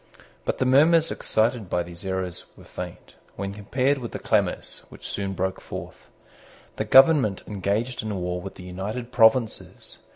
But the murmurs excited by these errors were faint, when compared with the clamours which soon broke forth. The government engaged in war with the United Provinces.